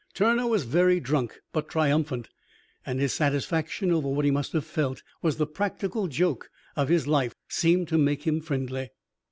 Turner was very drunk, but triumphant, and his satisfaction over what he must have felt was the practical joke of his life seemed to make him friendly.